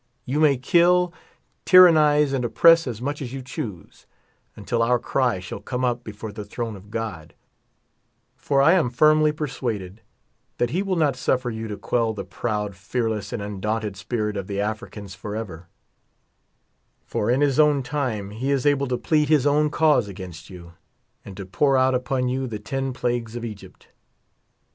You may kill, tyrannize and opi)ress as much as you choose, until our cr}^ shall come up before the throne of God ; for I am firmly persuaded that he will not suflTer you to quell the proud, fearless and undaunted spirit of the Africans forever ; for in his own time, he is able to plead his own cause against you, and to pour out upon you the ten 2* 34 plagues of P^o^ypt.